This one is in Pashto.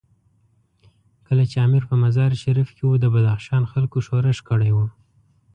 کله چې امیر په مزار شریف کې وو، د بدخشان خلکو ښورښ کړی وو.